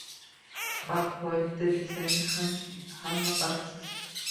Baxt boylikda, desangiz, hamma baxtsiz